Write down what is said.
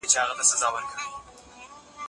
زه د پیغامونو تاریخ خوندي کوم.